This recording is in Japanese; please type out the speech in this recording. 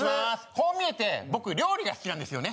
こう見えて僕料理が好きなんですよね